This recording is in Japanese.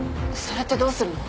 それってどうするの？